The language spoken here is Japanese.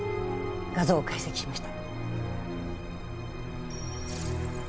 画像を解析しました。